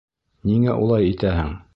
Ниңә улай итәһең?